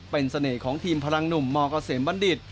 เป็นเสน่ห์ของทีมพลังหนุ่มมเกษมบัณฑิต